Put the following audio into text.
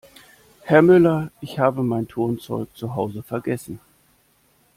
Herr Müller, ich habe mein Turnzeug zu Hause vergessen.